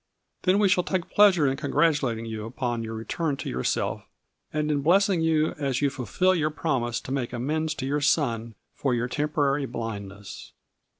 Then we shall take pleasure in congratu lating you upon your return to yourself, and in blessing you as you fulfill your promise to make amends to your son for your temporary blind ness."